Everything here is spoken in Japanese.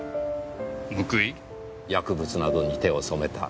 薬物などに手を染めた。